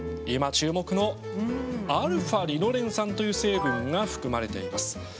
今、注目のα−リノレン酸という成分が含まれています。